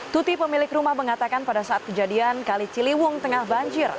tuti pemilik rumah mengatakan pada saat kejadian kali ciliwung tengah banjir